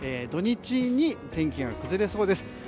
土日に天気が崩れそうです。